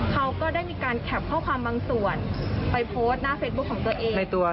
เขาก็ได้มีการแคปข้อความบางส่วนไปโพสต์หน้าเฟซบุ๊คของตัวเองในตัว